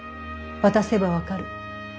渡せば分かる。